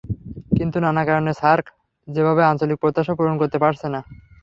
কিন্তু নানা কারণে সার্ক সেভাবে আঞ্চলিক প্রত্যাশা পূরণ করতে পারছে না।